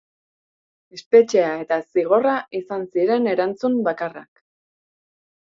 Espetxea eta zigorra izan ziren erantzun bakarrak.